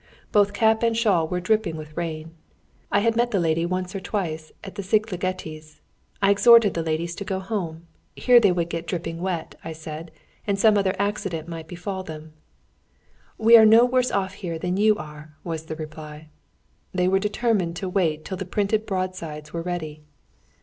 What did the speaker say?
Both cap and shawl were dripping with rain. I had met the lady once or twice at the Szigligetis'. I exhorted the ladies to go home; here they would get dripping wet, I said, and some other accident might befall them. [Footnote 49: i.e., the actress who took that part.] "We are no worse off here than you are," was the reply. They were determined to wait till the printed broad sides were ready.